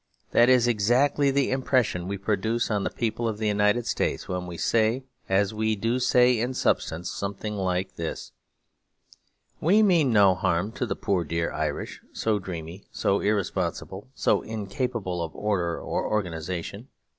That is exactly the impression we produce on the people of the United States when we say, as we do say in substance, something like this: 'We mean no harm to the poor dear Irish, so dreamy, so irresponsible, so incapable of order or organisation.